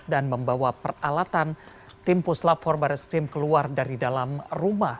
dan membawa peralatan tim pus lab empat barreskrim keluar dari dalam rumah